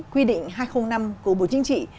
quy định hai trăm linh năm của bộ chính trị